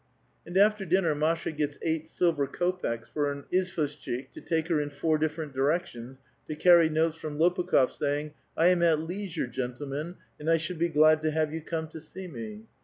And after dinner Masha gets eight silver kopeks for an izvoshchik^ to take her in four different directions, to carry notes from Lopukh6f, saying, "I am at leisure, gentlemen, and I should be glad to have 3'ou come to see me."